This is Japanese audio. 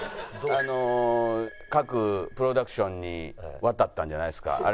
各プロダクションに渡ったんじゃないですか？